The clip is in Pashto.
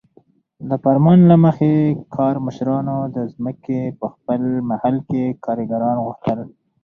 د فرمان له مخې کارمشرانو د ځمکې په خپل محل کې کارګران غوښتل.